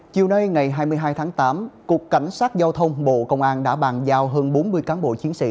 chiều nay ngày hai mươi hai tháng tám cục cảnh sát giao thông bộ công an đã bàn giao hơn bốn mươi cán bộ chiến sĩ